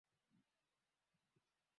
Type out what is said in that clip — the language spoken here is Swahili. meli ya titanic ilivunjika vipande viwili